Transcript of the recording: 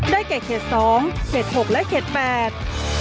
ได้แก่เขต๒เขต๖และเขต๘